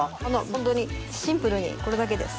シンプルにこれだけです。